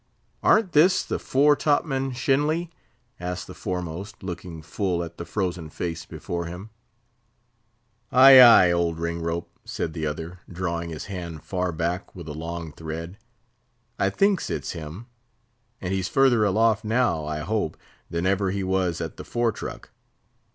"Ar'n't this the fore top man, Shenly?" asked the foremost, looking full at the frozen face before him. "Ay, ay, old Ringrope," said the other, drawing his hand far back with a long thread, "I thinks it's him; and he's further aloft now, I hope, than ever he was at the fore truck.